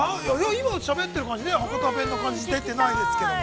◆今しゃべってる感じ、博多弁の感じが出てないですけど。